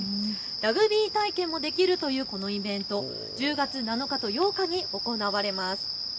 ラグビー体験もできるというこのイベント、１０月７日と８日に行われます。